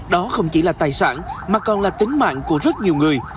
đó không chỉ là tài sản mà còn là tính mạng của rất nhiều người